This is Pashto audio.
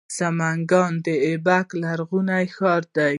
سمنګان د ایبک لرغونی ښار لري